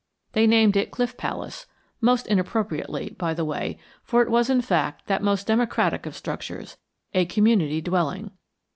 They named it Cliff Palace, most inappropriately, by the way, for it was in fact that most democratic of structures, a community dwelling.